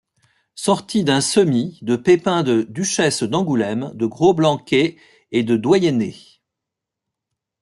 Sorti d'un semis de pépins de Duchesse d'Angoulême, de Gros-Blanquet et de Doyenné.